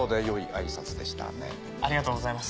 ありがとうございます。